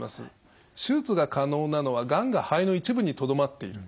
手術が可能なのはがんが肺の一部にとどまっている。